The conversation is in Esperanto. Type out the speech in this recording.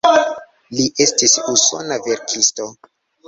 Li estis usona verkisto.